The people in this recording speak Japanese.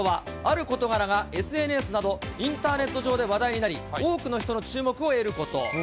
バズるとは、ＳＮＳなど、インターネット上で話題になり、多くの人の注目を得ること。